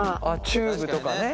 チューブとかね。